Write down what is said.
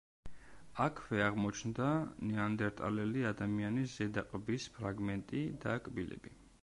აქვე აღმოჩნდა ნეანდერტალელი ადამიანის ზედა ყბის ფრაგმენტი და კბილები.